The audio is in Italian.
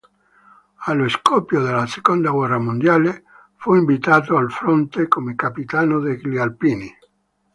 Allo scoppio della seconda guerra mondiale, fu inviato al fronte come capitano degli Alpini.